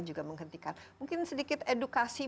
juga menghentikan mungkin sedikit edukasi